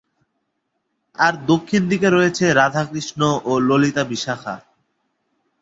আর দক্ষিণ দিকে রয়েছে রাধাকৃষ্ণ ও ললিতা-বিশাখা।